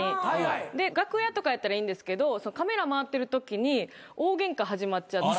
で楽屋とかやったらいいんですけどカメラ回ってるときに大ゲンカ始まっちゃって。